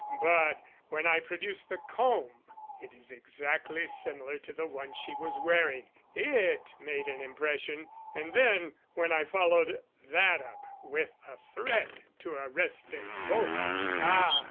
But when I produced the comb it is exactly similar to the one she was wearing it made an impression, and then when I followed that up with a threat to arrest them both " "Ah!"